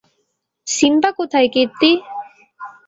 Simba কোথায় কীর্তি?